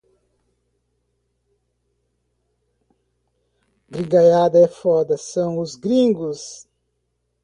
Gringaiada é foda, são os gringos